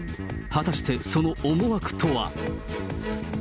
果たしてその思惑とは。